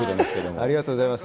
ありがとうございます。